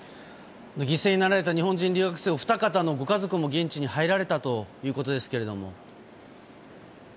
犠牲になられた日本人留学生お二方のご家族も現地に入られたということですけども。